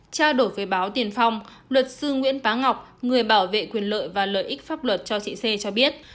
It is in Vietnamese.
trao đổi với báo tiền phong luật sư nguyễn bá ngọc người bảo vệ quyền lợi và lợi ích pháp luật cho chị xê cho biết